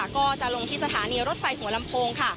ก็จะลงที่สถานีรถไฟหัวลำโพงค่ะ